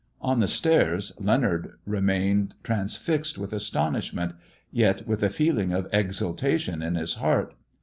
On the stairs Leonard remained transfixed with astonishment, yet with a feeling of exultation in his heart.